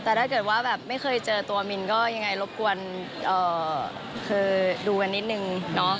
แต่ถ้าเกิดว่าแบบไม่เคยเจอตัวมินก็ยังไงรบกวนคือดูกันนิดนึงเนาะ